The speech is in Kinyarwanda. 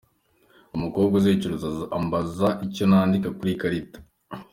Umukobwa uzicuruza ambaza icyo nandika ku ikarita.